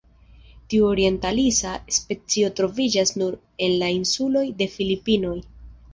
Tiu orientalisa specio troviĝas nur en la insuloj de Filipinoj.